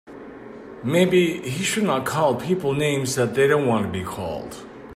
Maybe he should not call people names that they don't want to be called.